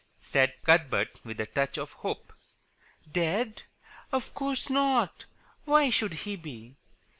said Cuthbert, with a touch of hope. "Dead? Of course not. Why should he be?